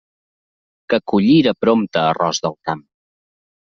Que collira prompte arròs del camp!